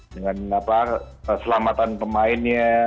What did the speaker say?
dengan apa selamatan pemainnya